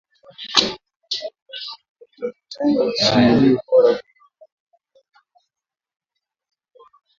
Kutafuta nchi iliyo bora kuwa mwenyeji wa taasisi hiyo, ambayo iliichagua Tanzania .